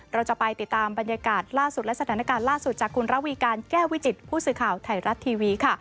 เราจะไปติดตามบรรยากาศล่าสุดและสถานการณ์ล่าสุดจากคุณระวีการแก้ววิจิตผู้สื่อข่าวไทยรัฐทีวีค่ะ